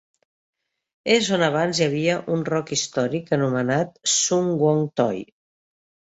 És on abans hi havia un roc històric anomenat Sung Wong Toi.